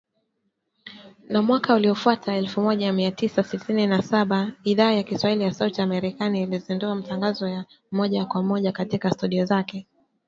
Na mwaka uliofuata, elfu moja mia tisa sitini na saba, Idhaa ya Kiswahili ya Sauti ya Amerika ilizindua matangazo ya moja kwa moja kutoka studio zake.